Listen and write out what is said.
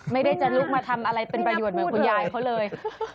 ไม่ได้จะลุกมาทำอะไรเป็นประโยชน์เหมือนคุณยายเขาเลย